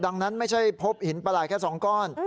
อ่อดังนั้นไม่ได้พบหินประหลายแค่สองก้อน